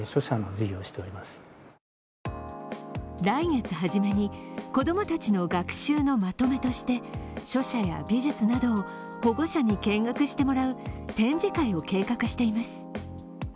来月はじめに子供たちの学習のまとめとして書写や美術などを保護者に見学してもらう展示会を計画しています。